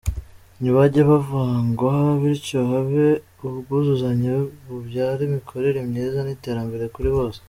Nibajye bavangwa bityo habe ubwuzuzanye bubyara imikorere myiza n’Iterambere kuri bose;